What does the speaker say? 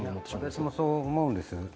私もそう思うんです。